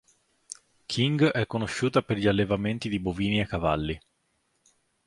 King è conosciuta per gli allevamenti di bovini e cavalli.